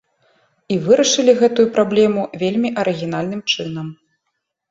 І вырашылі гэтую праблему вельмі арыгінальным чынам.